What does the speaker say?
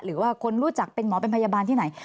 หรือว่าคนรู้จักเป็นหมอเป็นพยาบาลที่ไหน